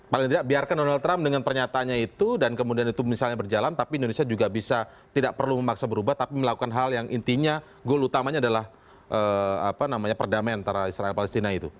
paling tidak biarkan donald trump dengan pernyataannya itu dan kemudian itu misalnya berjalan tapi indonesia juga bisa tidak perlu memaksa berubah tapi melakukan hal yang intinya goal utamanya adalah perdamaian antara israel dan palestina itu